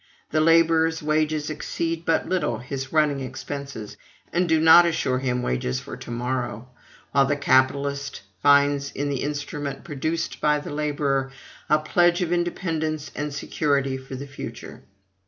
The laborer's wages exceed but little his running expenses, and do not assure him wages for to morrow; while the capitalist finds in the instrument produced by the laborer a pledge of independence and security for the future.